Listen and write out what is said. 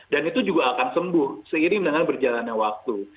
dan itu juga akan sembuh seiring dengan berjalannya waktu